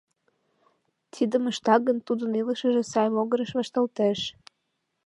Тидым ышта гын, тудын илышыже сай могырыш вашталтеш.